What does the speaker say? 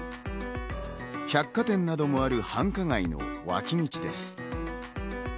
百貨店などもある繁華街の脇道です。